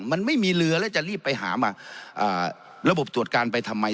มันไม่มีเรือแล้วจะรีบไปหามาระบบตรวจการไปทำไม